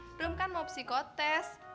belum kan mau psikotest